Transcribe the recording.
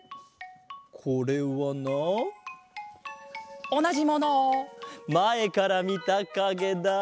これはなおなじものをまえからみたかげだ。